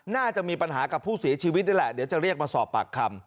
น่าจะมีปัญหากับผู้เสียชีวิตนี่แหละเดี๋ยวจะเรียกมาสอบปากคำ